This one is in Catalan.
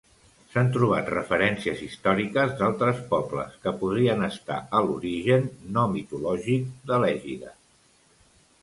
S'han trobat referències històriques d'altres pobles que podrien estar a l'origen no mitològic de l'ègida.